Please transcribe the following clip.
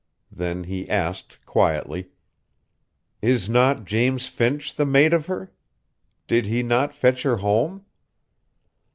Then he asked quietly: "Is not James Finch the mate of her? Did he not fetch her home?"